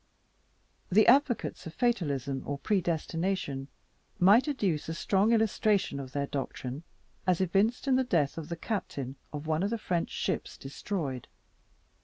The advocates of fatalism or predestination might adduce a strong illustration of their doctrine as evinced in the death of the captain of one of the French ships destroyed.